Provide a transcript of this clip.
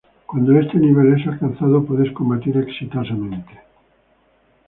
Cuando este nivel es alcanzado, puedes combatir exitosamente.